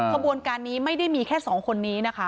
ขบวนการนี้ไม่ได้มีแค่สองคนนี้นะคะ